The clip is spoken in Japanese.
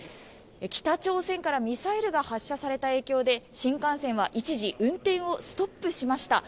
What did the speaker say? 北朝鮮からミサイルが発射された影響で新幹線は一時運転をストップしました。